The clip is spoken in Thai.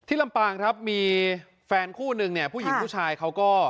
ลำปางครับมีแฟนคู่นึงเนี่ยผู้หญิงผู้ชายเขาก็